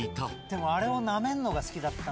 でもあれをなめんのが好きだった。